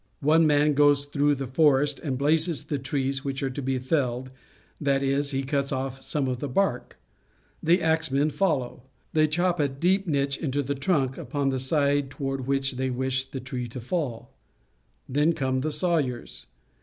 One man goes through the forest and blazes the trees which are to be felled, that is, he cuts off some of the bark. The axemen follow. They chop a deep niche into the trunk upon the side toward which they wish the tree to fall. Then come the sawyers.